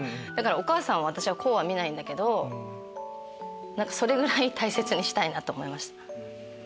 お母さんを私はこうは見ないんだけどそれぐらい大切にしたいなと思いました。